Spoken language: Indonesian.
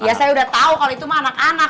ya saya udah tahu kalau itu mah anak anak